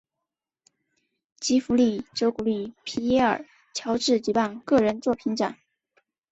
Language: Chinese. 吉福利则鼓励皮耶尔乔治举办个人作品展。